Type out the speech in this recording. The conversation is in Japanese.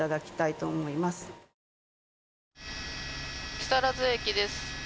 木更津駅です。